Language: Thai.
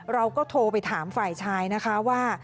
เราก็โทรไปถามฝ่ายชายนะคะว่า